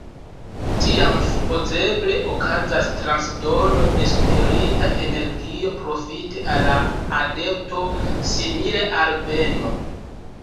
Tiam supozeble okazas transdono de spirita energio profite al la adepto, simile al beno.